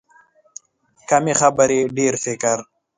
کمې خبرې، ډېر فکر.